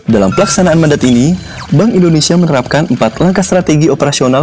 dalam pelaksanaan mandat ini bank indonesia menerapkan empat langkah strategi operasional